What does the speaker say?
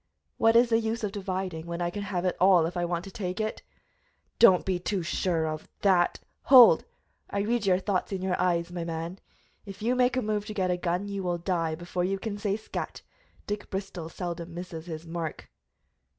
"What is the use of dividing, when I can have it all if I want to take it?" "Do not be too sure of that " "Hold! I read your thought in your eyes, my man. If you make a move to get a gun you will die before you can say scat! Dick Bristol seldom misses his mark."